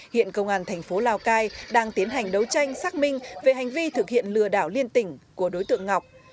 hiện công an thành phố lào cai đang tiến hành đấu tranh xác minh về hành vi thực hiện lừa đảo liên tỉnh của đối tượng ngọc